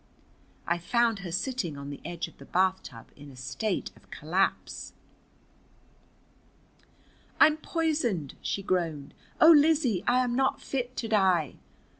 I found her sitting on the edge of the bathtub in a state of collapse. "I'm poisoned!" she groaned. "Oh, Lizzie, I am not fit to die!"